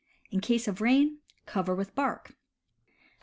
In case of rain, cover with bark.